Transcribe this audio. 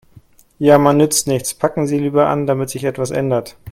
Jammern nützt nichts, packen Sie lieber an, damit sich etwas ändert.